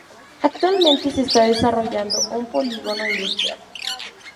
Actualmente se está desarrollando un polígono industrial.